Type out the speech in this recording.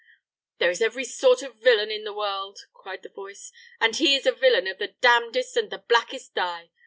"There is every sort of villain in the world," cried the voice; "and he is a villain of the damnedest and the blackest dye.